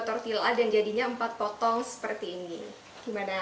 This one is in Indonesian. tortilla dan jadinya empat potong seperti ini gimana